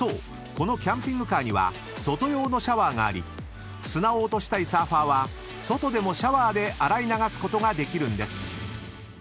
このキャンピングカーには外用のシャワーがあり砂を落としたいサーファーは外でもシャワーで洗い流すことができるんです］